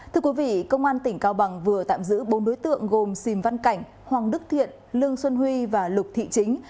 thưa quý vị công an tỉnh cao bằng vừa tạm giữ bốn đối tượng gồm xìm văn cảnh hoàng đức thiện lương xuân huy và lục thị chính